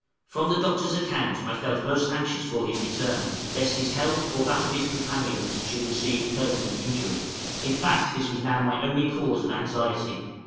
From the Doctor's account I felt most anxious for his return, lest his health, or that of his companions, should receive permanent injury; in fact this was now my only cause of anxiety.